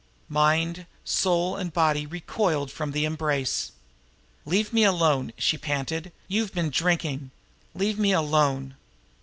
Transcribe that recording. Mind, soul and body recoiled from the embrace. "Leave me alone!" she panted. "You've been drinking. Leave me alone!"